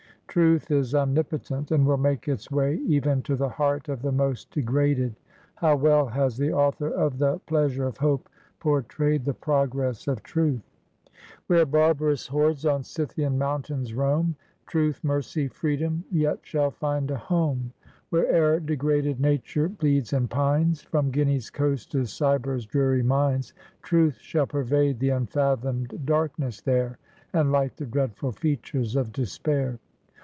Truth is omnipo tent, and will make its way even to the heart of the most degraded. How well has the author of the " Pleasures of Hope ?? portrayed the progress of truth !" Where barbarous hordes on Scythian mountains roam, Truth, mercy, freedom, yet shall find a home ; Where'er degraded nature bleeds and pines, Prom Guinea's coast to Siber's dreary mines, Truth shall pervade the unfathomed darkness there, And light the dreadful features of despair.